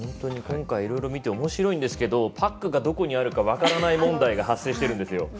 今回いろいろ見て本当におもしろいんですがパックがどこにあるか分からない問題が発動しているんですよ。